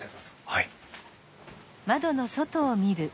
はい。